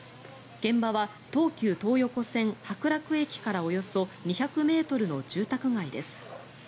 現場は東急東横線白楽駅からおよそ２００ｍの住宅街です。